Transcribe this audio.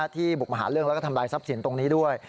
ที่บุกมาหาเรื่องแล้วก็ทำลายทรัพย์สินตรงนี้ด้วย